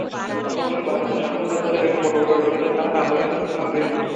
অবশ্য ভারতের শাসনকর্তারা এবং বড় বড় লোকেরা তাঁহার আদর অভ্যর্থনা করিবেন।